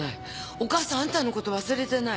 お母さんあんたのこと忘れてない！